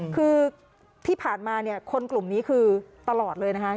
คือที่ผ่านมาเนี่ยคนกลุ่มนี้คือตลอดเลยนะคะ